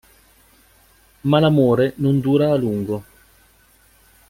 Ma l'amore non dura a lungo.